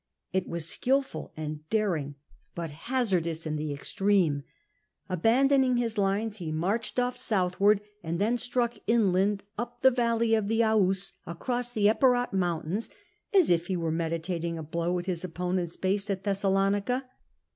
It was skilful and daring, but hazardous in the extreme* Abandoning his lines, he marched off southward, and then struck inland, up the valley of the Aous, across the Epirot mountains, as if he were meditating a blow at his opponent's base at Thessalonica.